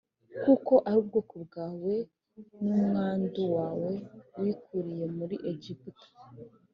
kuko ari ubwoko bwawe n’umwandu wawe wikuriye muri Egiputa